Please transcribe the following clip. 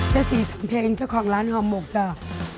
เจ๋สีสำเพงเจ้าของร้านหอมกจ้า